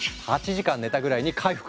８時間寝たぐらいに回復。